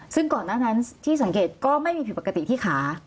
ซึ่งก่อนหน้านั้นที่สังเกตก็ไม่มีผิดปกติที่ขา